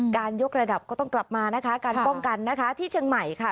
ยกระดับก็ต้องกลับมานะคะการป้องกันนะคะที่เชียงใหม่ค่ะ